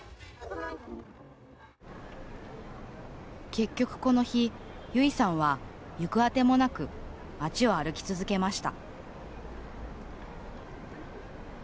結局、この日ゆいさんは行く当てもなく街を歩き続けました。